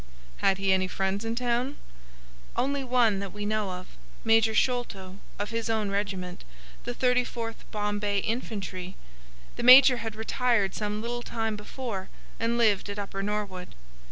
"Had he any friends in town?" "Only one that we know of,—Major Sholto, of his own regiment, the 34th Bombay Infantry. The major had retired some little time before, and lived at Upper Norwood.